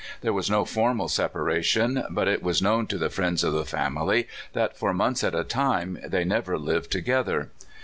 There was no formal separa tion, but it was known to the friends of the family that for months at a time they never lived together.